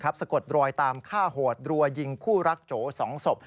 สะกดรอยตามฆ่าโหดรัวยิงคู่รักโจ๒ศพ